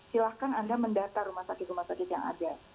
silahkan anda mendata rumah sakit rumah sakit yang ada